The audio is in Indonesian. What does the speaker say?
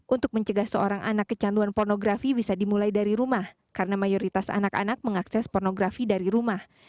untuk mencegah seorang anak kecanduan pornografi bisa dimulai dari rumah karena mayoritas anak anak mengakses pornografi dari rumah